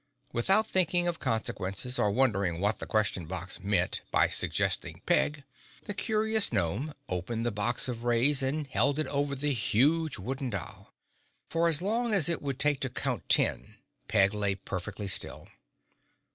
Without thinking of consequences or wondering what the Question Box meant by suggesting Peg, the curious gnome opened the box of rays and held it over the huge wooden doll. For as long as it would take to count ten Peg lay perfectly still.